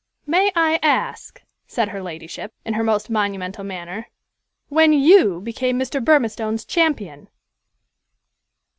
"May I ask," said her ladyship, in her most monumental manner, "when you became Mr. Burmistone's champion?"